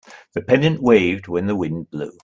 The pennant waved when the wind blew.